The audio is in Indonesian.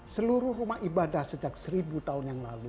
seluruh rumah ibadah sejak seribu tahun yang lalu